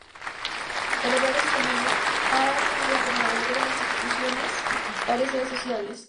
El Obrero Extremeño ha tenido, como la mayoría de las instituciones, varias sedes sociales.